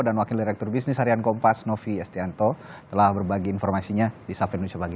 dan wakil direktur bisnis harian kompas novi yastianto telah berbagi informasinya di sampai nusa pagi